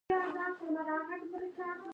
لاسونه ذهن چلوي